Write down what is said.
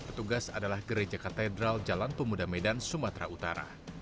petugas adalah gereja katedral jalan pemuda medan sumatera utara